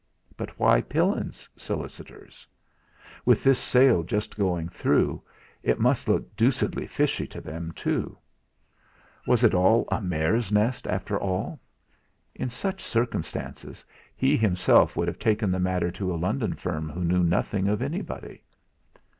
But why Pillin's solicitors? With this sale just going through, it must look deuced fishy to them too. Was it all a mare's nest, after all? In such circumstances he himself would have taken the matter to a London firm who knew nothing of anybody.